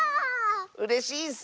うれしいッス！